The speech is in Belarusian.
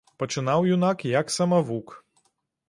Пачынаў юнак як самавук.